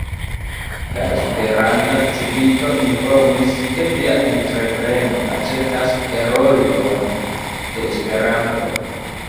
La Esperanta Civito informis, ke via entrepreno aĉetas Heroldon de Esperanto.